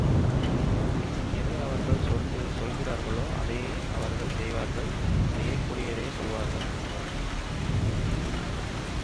எதை அவர்கள் சொல்லுகிறார்களோ அதையே அவர்கள் செய்வார்கள், செய்யக் கூடியதையே சொல்லுவார்கள்.